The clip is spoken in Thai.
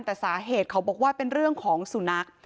แต่สาเหตุเขาบอกว่าเป็นเรื่องของสุนัข